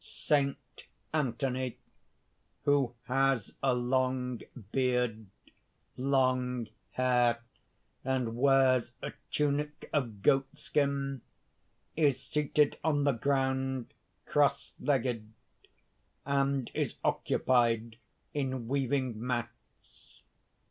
_ _Saint Anthony, who has a long beard, long hair, and wears a tunic of goatskin, is seated on the ground cross legged, and is occupied in weaving mats.